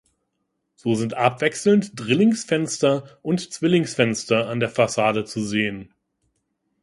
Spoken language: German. So sind abwechselnd Drillingsfenster und Zwillingsfenster an der Fassade zu sehen.